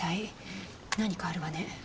何かあるわね。